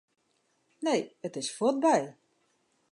Nee, it is fuortby.